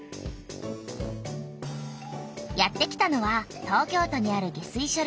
やってきたのは東京都にある下水しょ